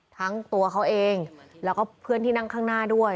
ทั้งตัวเขาเองแล้วก็เพื่อนที่นั่งข้างหน้าด้วย